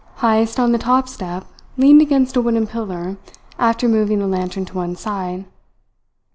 Heyst, on the top step, leaned against a wooden pillar, after moving the lantern to one side.